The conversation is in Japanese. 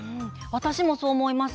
私もそう思います。